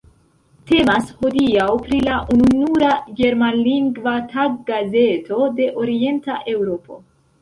Temas hodiaŭ pri la ununura germanlingva taggazeto de Orienta Eŭropo.